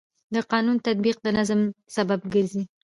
د قانون تطبیق د نظم سبب ګرځي.